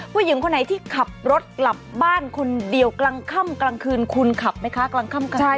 ผู้หญิงคนไหนที่ขับรถกลับบ้านคนเดียวกลางค่ำกลางคืนคุณขับไหมคะกลางค่ำกลางคืน